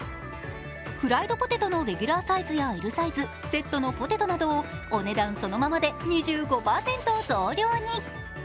フライドポテトのレギュラーサイズやＬサイズセットのポテトなどをお値段そのままで２５％増量に。